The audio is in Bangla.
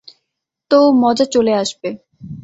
তো মজা চলে আসবে।